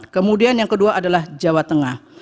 kemudian yang kedua adalah jawa tengah